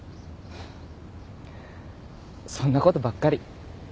そんなことばっかり。